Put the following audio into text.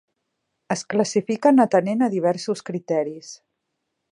Es classifiquen atenent a diversos criteris.